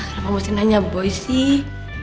kenapa mesti nanya boy sih